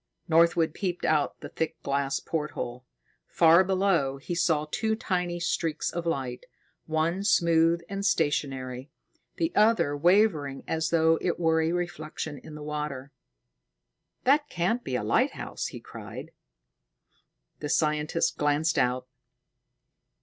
Northwood peeped out the thick glass porthole. Far below, he saw two tiny streaks of light, one smooth and stationery, the other wavering as though it were a reflection in water. "That can't be a lighthouse!" he cried. The scientist glanced out.